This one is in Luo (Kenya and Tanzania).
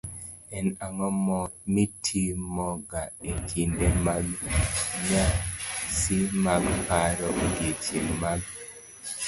en ang'o mitimoga e kinde mag nyasi mag paro odiechienge mag